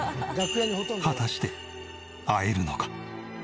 果たして会えるのか？